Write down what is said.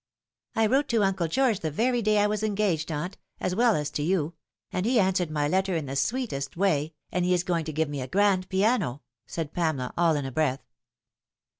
" I wrote to Uncle George the very day I was engaged, aunt, as well as to you ; and he answered my letter in the sweetest way, and he is going to give me a grand piano," said Pamela, all in a breath.